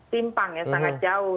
timpang sangat jauh